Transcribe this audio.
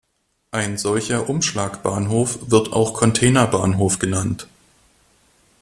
Ein solcher Umschlagbahnhof wird auch Containerbahnhof genannt.